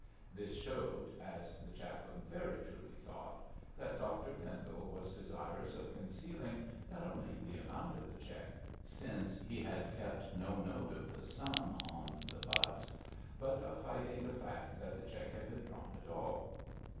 This showed, as the chaplain very truly thought, that Dr Pendle was desirous of concealing not only the amount of the cheque since he had kept no note of the sum on the butt but of hiding the fact that the cheque had been drawn at all.